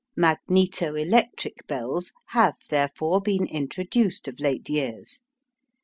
Magnetoelectric bells have, therefore, been introduced of late years.